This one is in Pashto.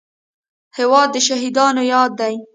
هېواد د شهیدانو یاد دی.